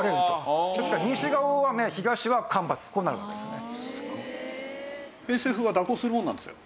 ですから西が大雨東は干ばつこうなるわけですね。